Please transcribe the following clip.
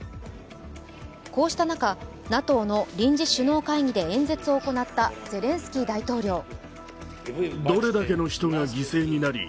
こうした中、ＮＡＴＯの臨時首脳会議で演説を行ったゼレンスキー大統領。